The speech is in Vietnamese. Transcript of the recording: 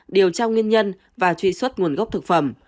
điều tra nguyên nhân và truy xuất nguồn gốc thực phẩm